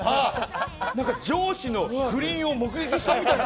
何か上司の不倫を目撃したみたいな。